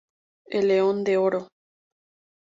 El león de oro